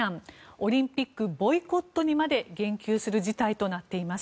オリンピックボイコットにまで言及する事態となっています。